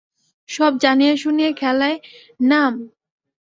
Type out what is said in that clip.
সব জানিয়া শুনিয়া খেলায় নাম।